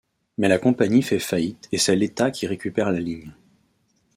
Mais la compagnie fait faillite et c'est l'État qui récupère la ligne.